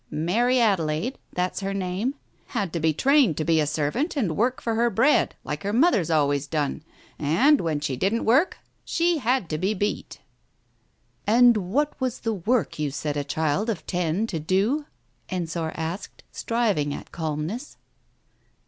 Mary Adelaide— that's her name had to be trained to be a servant and work for her bread, like her mother's always done, and when she didn't work, she had to be beat." " And what was the work you set a child of ten to do ?" Ensor asked, striving at calmness.